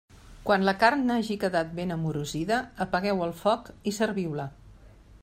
Quan la carn hagi quedat ben amorosida apagueu el foc i serviu-la.